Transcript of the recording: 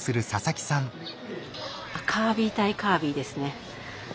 あカービィ対カービィですね。